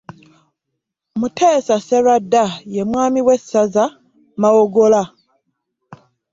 Muteesa Sserwadda, ye mwami w'essaza Mawogola.